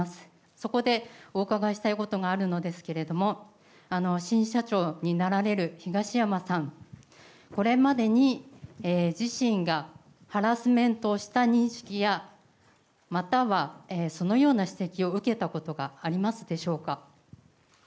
そこで、お伺いしたいことがあるのですけれども、新社長になられる東山さん、これまでに自身がハラスメントをした認識やまたはそのような指摘を受けたことがありますでしょうか。